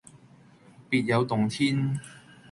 別有洞天